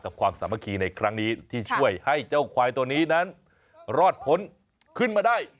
ความสามัคคีในครั้งนี้ที่ช่วยให้เจ้าควายตัวนี้นั้นรอดพ้นขึ้นมาได้